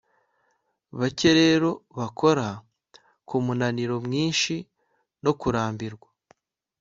Bake rero bakora kumunaniro mwinshi no kurambirwa